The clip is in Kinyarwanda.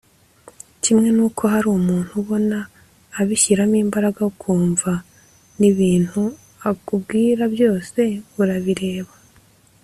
Kimwe nuko hari umuntu ubona abishyiramo imbaraga ukumva nibintu akubwira byose urabireba